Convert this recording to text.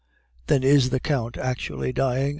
"'Then is the Count actually dying?